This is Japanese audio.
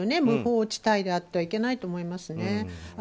無法地帯ではいけないと思いますね。